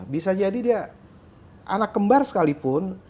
bisa jadi dia anak kembar sekalipun